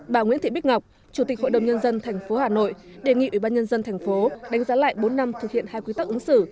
bà nguyễn thị bích ngọc chủ tịch hội đồng nhân dân tp hà nội đề nghị ủy ban nhân dân thành phố đánh giá lại bốn năm thực hiện hai quy tắc ứng xử